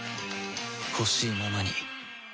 ほしいままに